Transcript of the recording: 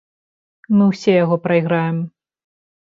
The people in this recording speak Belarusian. Мы ўсе яго прайграем.